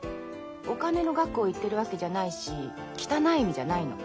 お金の額を言ってるわけじゃないし汚い意味じゃないの。